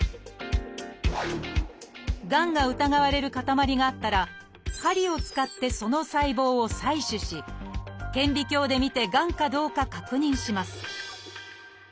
がんが疑われる塊があったら針を使ってその細胞を採取し顕微鏡でみてがんかどうか確認します